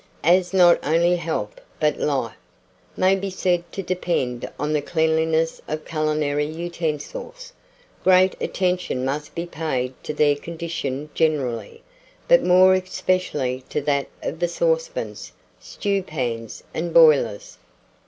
AS NOT ONLY HEALTH BUT LIFE may be said to depend on the cleanliness of culinary utensils, great attention must be paid to their condition generally, but more especially to that of the saucepans, stewpans, and boilers.